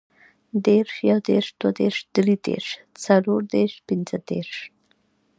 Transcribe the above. دېرش, یودېرش, دودېرش, دریدېرش, څلوردېرش, پنځهدېرش